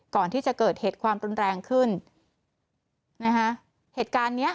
ก่อนที่จะเกิดเหตุความรุนแรงขึ้นนะคะเหตุการณ์เนี้ย